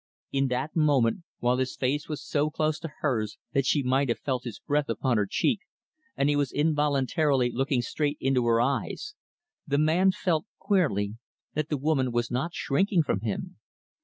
In that moment, while his face was so close to hers that she might have felt his breath upon her cheek and he was involuntarily looking straight into her eyes, the man felt, queerly, that the woman was not shrinking from him.